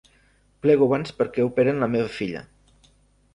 Plego abans perquè operen la meva filla.